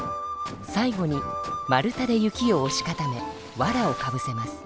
最後に丸太で雪をおし固めわらをかぶせます。